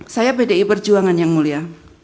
saya pdi perjuangan yang mulia